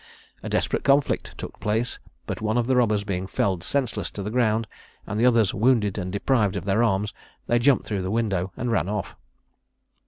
A desperate conflict took place, but one of the robbers being felled senseless to the ground, and the others wounded and deprived of their arms, they jumped through the window and ran off.